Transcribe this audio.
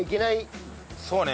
そうね。